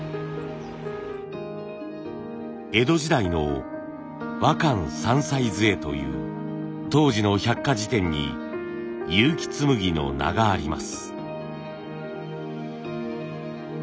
江戸時代の「和漢三才図会」という当時の百科事典に結城紬の名があります。